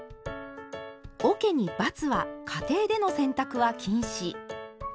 おけに「×」は家庭での洗濯は禁止。